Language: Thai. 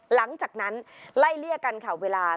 หลังจากนั้นไล่เลี่ยกันค่ะเวลา